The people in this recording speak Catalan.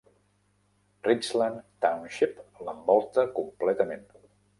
Richland Township l'envolta completament.